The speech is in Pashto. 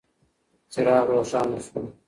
څراغ روښانه شو.